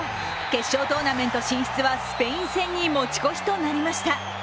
決勝トーナメント進出はスペイン戦に持ち越しとなりました。